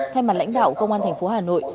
thay mặt lãnh đạo công an thành phố hà nội